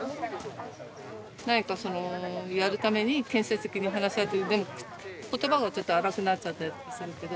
何かそのやるために建設的に話し合ってでも言葉がちょっと荒くなっちゃったりとかするけど。